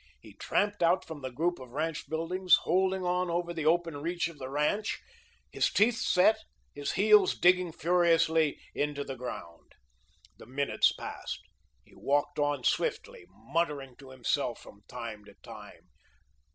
He tramped out from the group of ranch buildings; holding on over the open reach of his ranch, his teeth set, his heels digging furiously into the ground. The minutes passed. He walked on swiftly, muttering to himself from time to time.